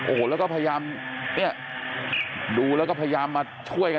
โอ้โหแล้วก็พยายามเนี่ยดูแล้วก็พยายามมาช่วยกัน